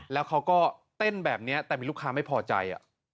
แล้วเขาก็เต้นแบบนี้แต่มีลูกค้าไม่พอใจ